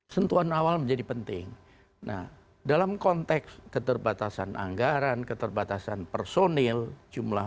sentuhan awal menjadi penting nah dalam konteks keterbatasan anggaran keterbatasan personil jumlah